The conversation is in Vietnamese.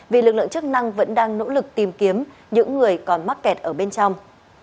vì lực lượng chức năng vẫn đang nỗ lực tìm kiếm những người còn mắc kẹt ở bên trong